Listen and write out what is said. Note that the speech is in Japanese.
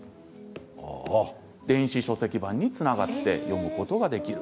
電子書籍版につながって読むことができる。